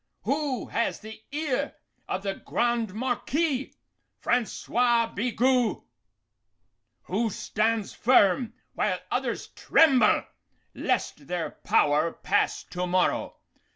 Who has the ear of the Grande Marquise? Francois Bigot. Who stands firm while others tremble lest their power pass to morrow?